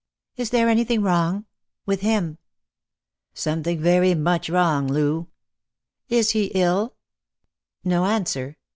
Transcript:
Is there anything wrong — with him ?"" Something very much wrong, Loo." "Is he ill?" No answer.